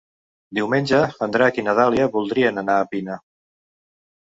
Diumenge en Drac i na Dàlia voldrien anar a Pina.